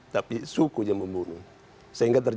tapi sukunya membunuh